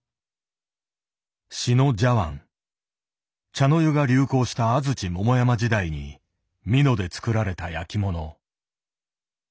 茶の湯が流行した安土桃山時代に美濃で作られた焼きもの。